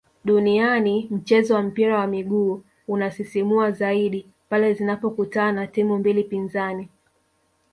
duniani mchezo wa mpira wa miguu hunasisimua zaidi pale zinapokutana timu mbili pinzani